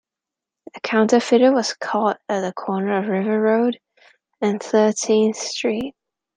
The counterfeiter was caught at the corner of River Road and Thirtieth Street.